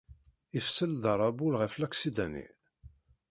Ifeṣṣel-d arabul ɣef laksida-nni.